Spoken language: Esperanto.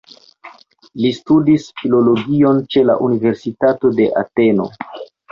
Li studis filologion ĉe la Universitato de Ateno.